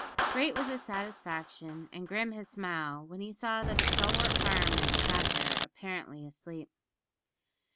Great was his satisfaction and grim his smile when he saw that a stalwart fireman sat there apparently asleep.